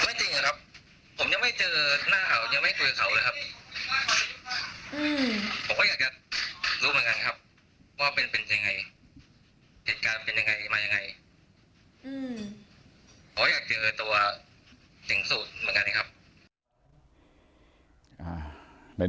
ผมก็อยากเจอตัวเจ๋งสุดเหมือนกันนะครับ